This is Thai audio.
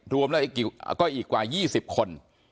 รวมแล้วก็อีกกว่า๒๐คน